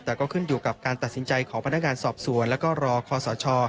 แต่ก็ขึ้นอยู่กับการตัดสินใจของพนักงานสอบสวนแล้วก็รอคอสช